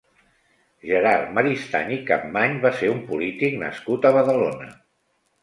Gerard Maristany i Campmany va ser un polític nascut a Badalona.